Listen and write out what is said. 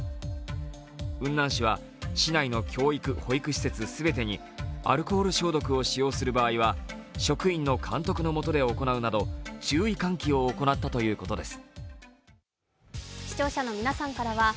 雲南市は市内の教育・保育施設全てにアルコール消毒を使用する場合は職員の監督の下で行うなど注意喚起を行ったということです。